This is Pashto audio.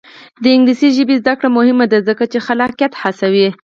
د انګلیسي ژبې زده کړه مهمه ده ځکه چې خلاقیت هڅوي.